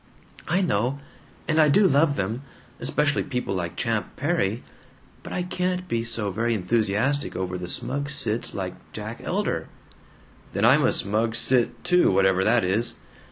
"I know. And I do love them. Especially people like Champ Perry. But I can't be so very enthusiastic over the smug cits like Jack Elder." "Then I'm a smug cit, too, whatever that is."